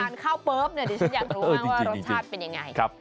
เหมือนข้าวเปิ๊บดิฉันอยากรู้ว่ารสชาติเป็นยังไง